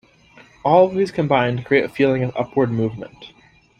All of these combine to create a feeling of upward movement.